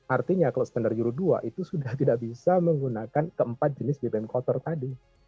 artinya kalau standar euro dua itu sudah tidak bisa menggunakan keempat jenis bbm kotor tadi